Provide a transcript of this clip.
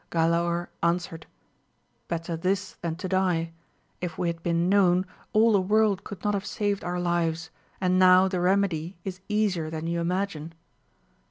Galaor answered, better this than to die : if we had been known, all the world could not have saved our lives ; and now the remedy is easier than you imagine.